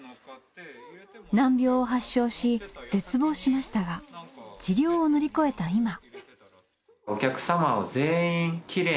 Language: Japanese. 難病を発症し絶望しましたが治療を乗り越えた今。